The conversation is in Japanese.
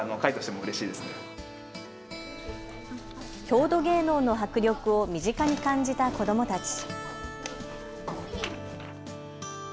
郷土芸能の迫力を身近に感じた子どもたち。